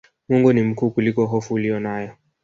Mungu ni mkuu kuliko hofu uliyonayo